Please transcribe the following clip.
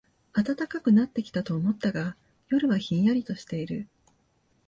暖かくなってきたと思ったが、夜はひんやりとしている